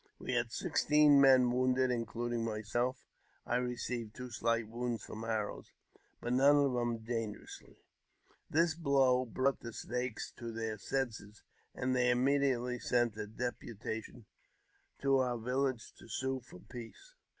We had sixteen men : wounded, including myself (I received two slight wounds froif I arrows), but none of them dangerously. This blow broughf* the Snakes to their senses, and they immediately sent a depu tation to our village to sue for peace.